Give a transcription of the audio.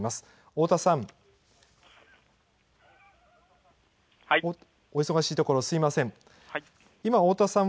太田さん、お忙しいところすみません。